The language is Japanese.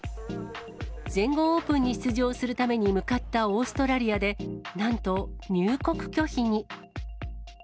全豪オープンに出場するために向かったオーストラリアで、なんと入国拒否に。